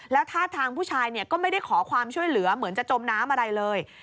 แล้วท่าทางผู้ชายก็ไม่ได้ขอความช่วยเหลือเหมือนจะจมน้ำอะไรเลย